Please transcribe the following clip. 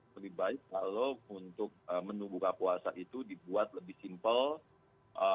lebih baik kalau untuk menu buka puasa itu dibuat lebih simple